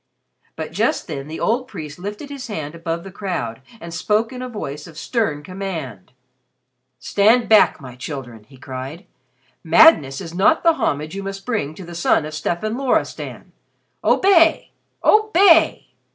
But just then the old priest lifted his hand above the crowd, and spoke in a voice of stern command. "Stand back, my children!" he cried. "Madness is not the homage you must bring to the son of Stefan Loristan. Obey! Obey!"